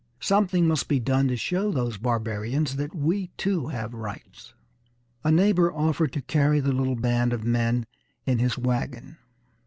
"Something must be done to show these barbarians that we too have rights!" A neighbor offered to carry the little band of men in his wagon.